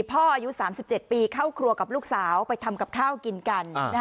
อายุ๓๗ปีเข้าครัวกับลูกสาวไปทำกับข้าวกินกัน